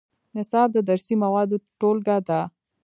نصاب د درسي موادو ټولګه ده